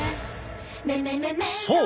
そう！